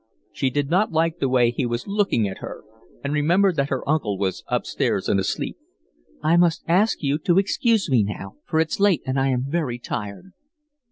She did not like the way he was looking at her, and remembered that her uncle was up stairs and asleep. "I must ask you to excuse me now, for it's late and I am very tired."